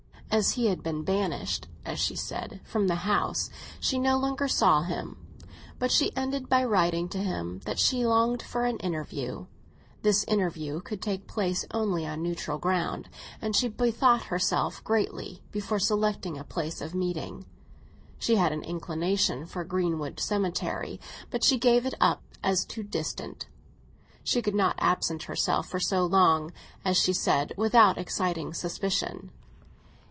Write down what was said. As he had been banished, as she said, from the house, she no longer saw him; but she ended by writing to him that she longed for an interview. This interview could take place only on neutral ground, and she bethought herself greatly before selecting a place of meeting. She had an inclination for Greenwood Cemetery, but she gave it up as too distant; she could not absent herself for so long, as she said, without exciting suspicion.